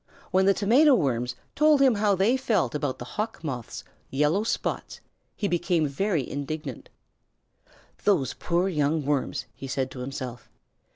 When the Tomato Worms told him how they felt about the Hawk Moth's yellow spots, he became very indignant. "Those poor young worms!" he said to himself.